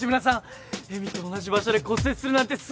恵美と同じ場所で骨折するなんてすごい偶然だよ。